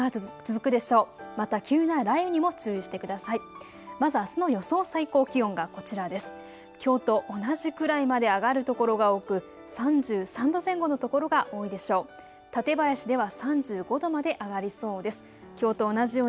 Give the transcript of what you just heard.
きょうと同じくらいまで上がる所が多く、３３度前後の所が多いでしょう。